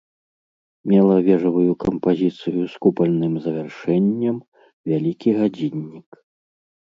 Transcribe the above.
Мела вежавую кампазіцыю з купальным завяршэннем, вялікі гадзіннік.